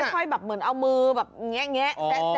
ค่อยแบบเหมือนเอามือแซะออกมา